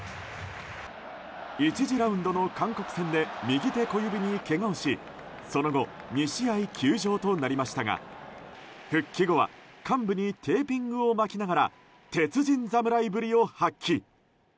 １次ラウンドの韓国戦で右手小指にけがをしその後２試合休場となりましたが復帰後は患部にテーピングを巻きながら鉄人侍ぶりを発揮。